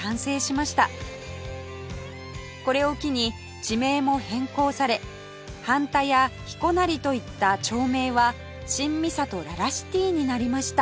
これを機に地名も変更され半田や彦成といった町名は新三郷ららシティになりました